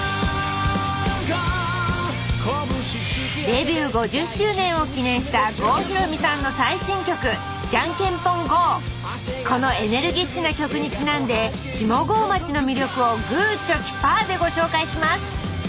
デビュー５０周年を記念した郷ひろみさんの最新曲このエネルギッシュな曲にちなんで下郷町の魅力をグーチョキパーでご紹介します。